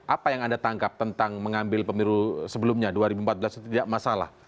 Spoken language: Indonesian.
apa yang anda tangkap tentang mengambil pemilu sebelumnya dua ribu empat belas itu tidak masalah